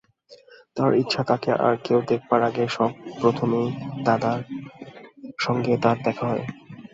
তার ইচ্ছে তাকে আর কেউ দেখবার আগে সব প্রথমেই দাদার সঙ্গে তার দেখা হয়।